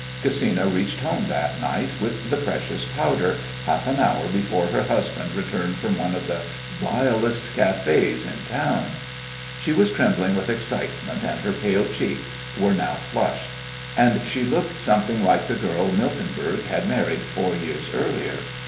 Gesina reached home that night with the precious powder, half an hour before her husband returned from one of the vilest cafés in the town. She was trembling with excitement and her pale cheeks were now flushed, and she looked something like the girl Miltenberg had married four years earlier.